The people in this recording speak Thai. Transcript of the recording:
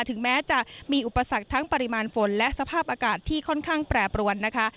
ถึงแม้จะมีอุปสรรคทั้งปริมาณฝนและสภาพอากาศที่ค่อนข้างแปรปรวนนะคะ